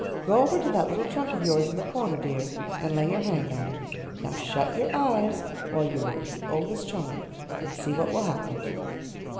Go over to that little trunk of yours in the corner, dear, and lay your hand on it. Now shut your eyes while you repeat Olga's charm, and see what will happen."